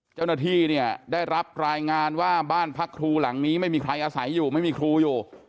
เจ้าหน้าที่เนี่ยได้รับรายงานว่าบ้านพักครูหลังนี้ไม่มีใครอาศัยอยู่ไม่มีครูอยู่